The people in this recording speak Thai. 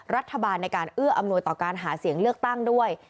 รัฐบาลในการเอื้ออำนวยต่อการหาเสียงเลือกตั้งด้วย